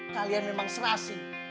kalian memang selasih